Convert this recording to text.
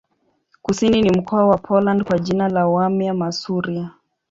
Kusini ni mkoa wa Poland kwa jina la Warmia-Masuria.